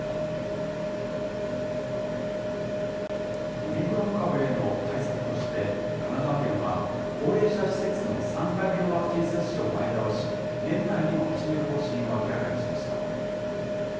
オミクロン株への対策として、神奈川県は高齢者施設の３回目のワクチン接種を前倒し、年内にも始める方針を明らかにしました。